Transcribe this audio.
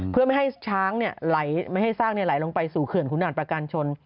เพื่อไม่ให้ช้างไหลลงไปสู่เขื่อนขุนด่านปราการชน